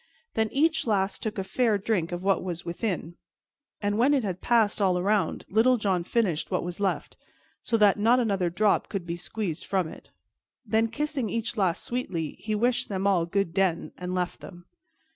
Then each lass took a fair drink of what was within, and when it had passed all around, Little John finished what was left, so that not another drop could be squeezed from it. Then, kissing each lass sweetly, he wished them all good den, and left them.